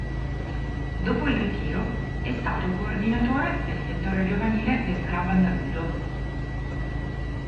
Dopo il ritiro è stato coordinatore del settore giovanile del club andaluso.